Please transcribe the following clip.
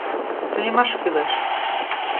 ТУНЕМАШ КӰЛЕШ